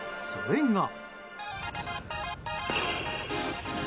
それが。